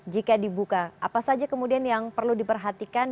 jika dibuka apa saja kemudian yang perlu diperhatikan